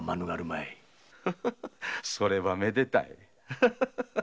それはめでたい。